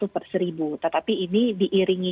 satu perseribu tetapi ini diiringi